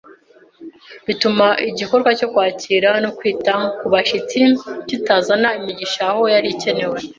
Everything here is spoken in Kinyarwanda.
bituma igikorwa cyo kwakira no kwita ku bashyitsi kitazana imigisha aho yari ikenewe.